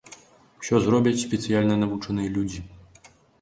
Усё зробяць спецыяльна навучаныя людзі.